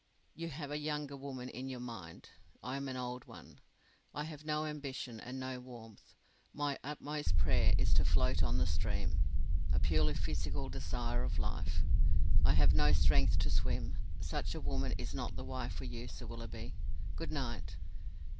You have a younger woman in your mind; I am an old one: I have no ambition and no warmth. My utmost prayer is to float on the stream a purely physical desire of life: I have no strength to swim. Such a woman is not the wife for you, Sir Willoughby. Good night."